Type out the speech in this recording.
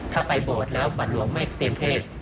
ถ้าไปบทแล้วบรรลวงไม่เตรียมเทศ